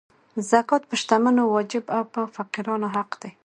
زکات په شتمنو واجب او په فقیرانو حق دی.